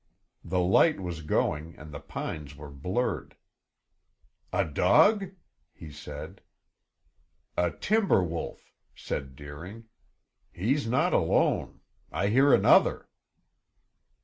The light was going and the pines were blurred. "A dog?" he said. "A timber wolf," said Deering. "He's not alone. I hear another."